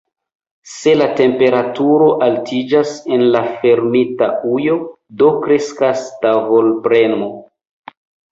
Se temperaturo altiĝas en la fermita ujo, do kreskas tavolpremo.